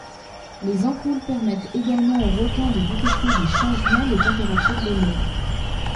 Les ampoules permettent également au requin de détecter des changements de température de l'eau.